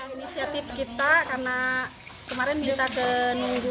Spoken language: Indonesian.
inisiatif kita karena kemarin kita menunggu